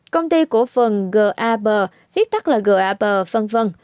công ty của phần gab viết tắt là gab v v